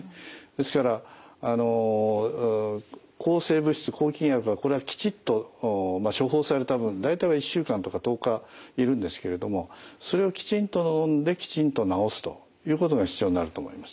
ですから抗生物質抗菌薬はこれはきちっと処方された分大体は１週間とか１０日いるんですけれどもそれをきちんとのんできちんと治すということが必要になると思います。